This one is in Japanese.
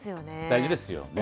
大事ですよね。